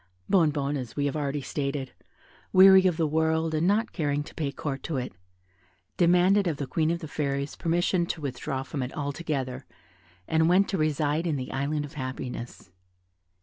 Bonnebonne, as we have already stated, weary of the world, and not caring to pay court to it, demanded of the Queen of the Fairies permission to withdraw from it altogether, and went to reside in the Island of Happiness.